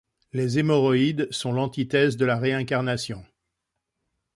Les hémorroïdes sont l'antithèse de la réincarnation.